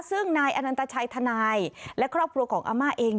ซึ่งนายอนันตชัยทนายและครอบครัวของอาม่าเอง